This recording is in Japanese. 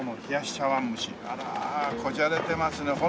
こじゃれてますねほら。